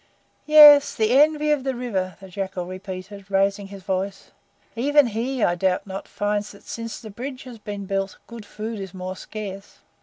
"Yes, the Envy of the River," the Jackal repeated, raising his voice. "Even he, I doubt not, finds that since the bridge has been built good food is more scarce.